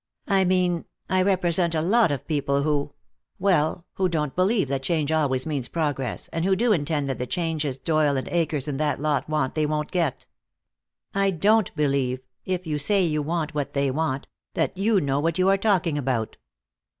"I mean, I represent a lot of people who well, who don't believe that change always means progress, and who do intend that the changes Doyle and Akers and that lot want they won't get. I don't believe if you say you want what they want that you know what you are talking about."